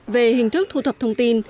về hình thức thu thập thông tin